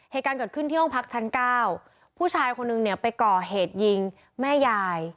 เหตุการณ์เกิดขึ้นที่ห้องพักชั้นเก้าผู้ชายคนนึงเนี่ยไปก่อเหตุยิงแม่ยาย